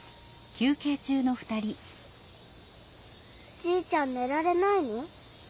じいちゃんねられないの？